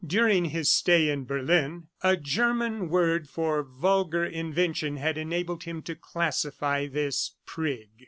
During his stay in Berlin, a German word of vulgar invention had enabled him to classify this prig.